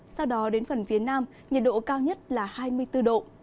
sau đó đến phần phía nam nhiệt độ cao nhất là hai mươi bốn độ